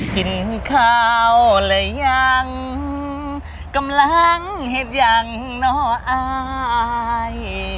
กินข้าวหรือยังกำลังเห็ดยังน่ออาย